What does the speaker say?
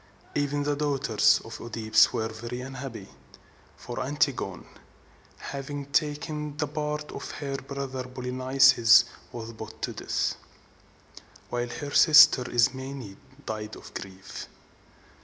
Even the daughters of OEdipus were very unhappy; for Antigone, having taken the part of her brother Polynices, was put to death, while her sister Ismene died of grief.